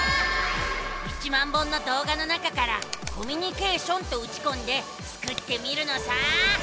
１０，０００本のどう画の中から「コミュニケーション」とうちこんでスクってみるのさ！